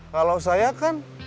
kalau saya kan